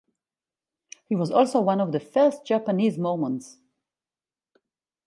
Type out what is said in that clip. He was also one of the first Japanese Mormons.